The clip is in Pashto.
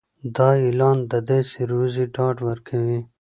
دا اعلان د داسې روزي ډاډ ورکوي.